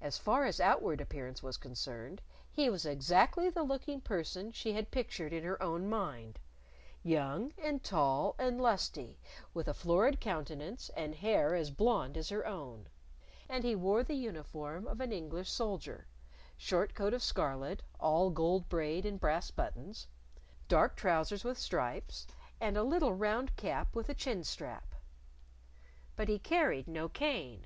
As far as outward appearance was concerned, he was exactly the looking person she had pictured in her own mind young and tall and lusty, with a florid countenance and hair as blonde as her own. And he wore the uniform of an English soldier short coat of scarlet, all gold braid and brass buttons; dark trousers with stripes; and a little round cap with a chin strap. But he carried no cane.